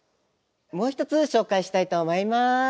もう１つ紹介したいと思います。